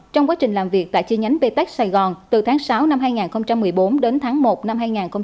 trong quá trình làm việc tại chi nhánh btech sài gòn từ tháng sáu năm hai nghìn một mươi bốn đến tháng một năm hai nghìn một mươi chín